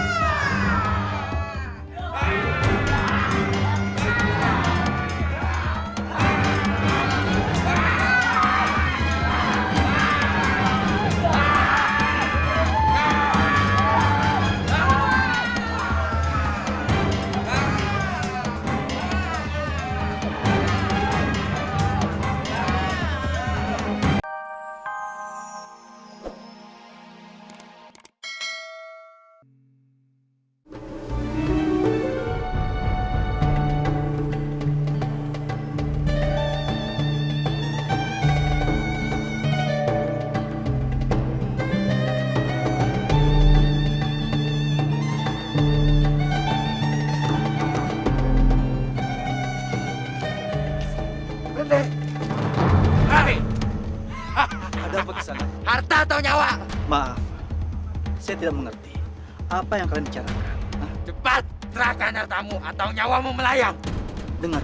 sampai jumpa di video selanjutnya